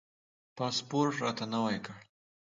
پاسپورټ راته نوی کړ.